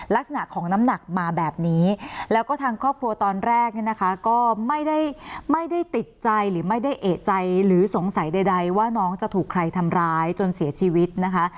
ลักษณะของน้ำหนักมาแบบนี้แล้วก็ทางครอบครัวตอนแรกเนี่ยนะคะก็ไม่ได้ติดใจหรือไม่ได้เอกใจหรือสงสัยใดว่าน้องจะถูกใครทำร้ายจนเสียชีวิตนะคะ